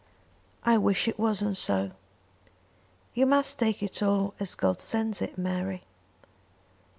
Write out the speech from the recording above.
"I wish it wasn't so." "You must take it all as God sends it, Mary."